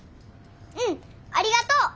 うんありがとう！